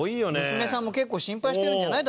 娘さんも結構心配してるんじゃない？